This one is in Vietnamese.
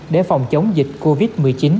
để phòng chống dịch covid một mươi chín